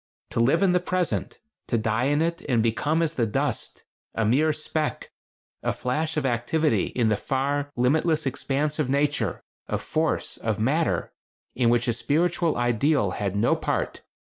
To live in the Present; to die in it and become as the dust; a mere speck, a flash of activity in the far, limitless expanse of Nature, of Force, of Matter in which a spiritual ideal had no part.